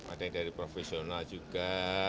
ada yang dari profesional juga